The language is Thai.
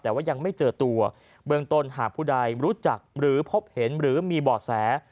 แต่ว่ายังไม่เจอตัวเบื้องต้นหากผู้ใดรู้จักหรือพบเห็นหรือมีบ่อแส